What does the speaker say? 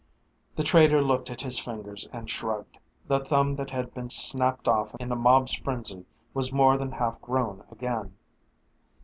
The traitor looked at his fingers and shrugged. The thumb that had been snapped off in the mob's frenzy was more than half grown again.